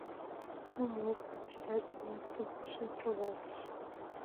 — Ну мо, — председательнице вуйжым савалтыш